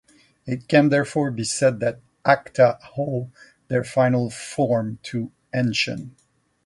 It can therefore be said that the "Acta" owe their final form to Henschen.